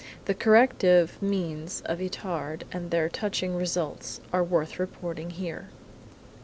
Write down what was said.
The corrective means of Itard and their touching results are worth reporting here!